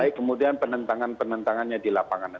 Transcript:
baik kemudian penentangan penentangannya di lapangan